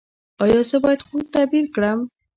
ایا زه باید خوب تعبیر کړم؟